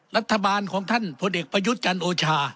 รัฐบาลของท่านพลเอกประยุทธ์จันโอชา